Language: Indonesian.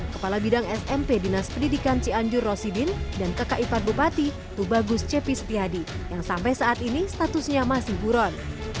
kepala bidang smp dinas pendidikan cianjur rosidin dan kakak ipar bupati tubagus cepi setiadi yang sampai saat ini statusnya masih buron